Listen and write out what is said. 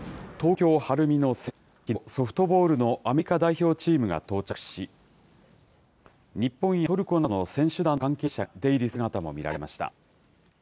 ソフトボールのアメリカ代表チームが到着し、日本やトルコなどの選手団の関係者が出入りする姿も見られました。